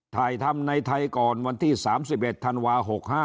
ถ่ายทำในไทยก่อนวันที่๓๑ธันวา๖๕